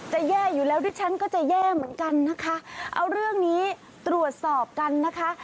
แย่อยู่แล้วดิฉันก็จะแย่เหมือนกันนะคะเอาเรื่องนี้ตรวจสอบกันนะคะ